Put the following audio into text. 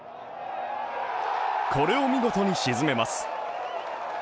これを見事に沈めます。